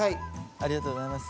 ありがとうございます。